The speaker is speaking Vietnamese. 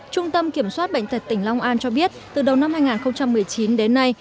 trung tâm kiểm soát bệnh tật tỉnh long an cho biết từ đầu năm hai nghìn một mươi chín đến nay